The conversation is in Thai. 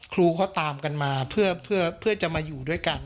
ครูเขาตามกันมาเพื่อจะมาอยู่ด้วยกัน